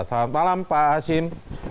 selamat malam pak hasim